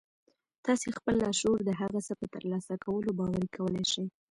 تاسې خپل لاشعور د هغه څه په ترلاسه کولو باوري کولای شئ